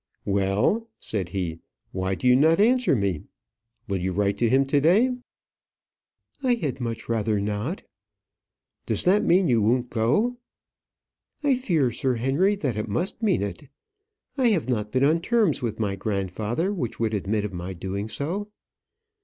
"Well!" said he; "why do you not answer me? Will you write to him to day?" "I had much rather not." "Does that mean that you won't?" "I fear, Sir Henry, that it must mean it. I have not been on terms with my grandfather which would admit of my doing so."